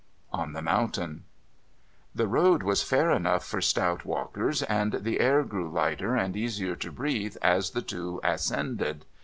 ON THE MOUNTAIN The road was fair enough for stout walkers, and the air grew lighter and easier to breathe as the two ascended.